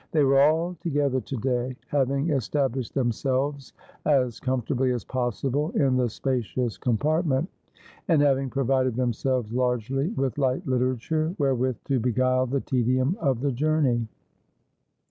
They were all together to day, having established themselves as comfort ably as possible in the spacious compartment, and having pro vided themselves largely with light literature, wherewith to beguile the tedium of the journey.